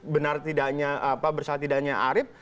benar tidaknya arief